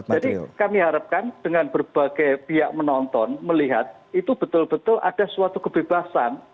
jadi kami harapkan dengan berbagai pihak menonton melihat itu betul betul ada suatu kebebasan